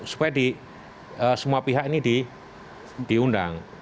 supaya semua pihak ini diundang